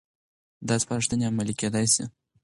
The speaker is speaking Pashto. دا سپارښتنې عملي کېدای شي.